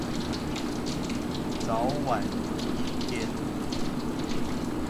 早晚有一天